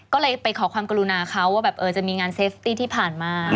ก็เลยไปขอความกำลังคาวจะมีงานเชฟตี้ที่ผ่านมา